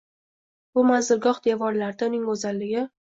Bu manzilgoh devorlarida uning go’zalligi